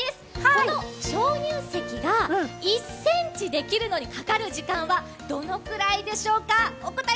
この鍾乳石が１ｃｍできるのにかかる時間はどのくらいでしょうか。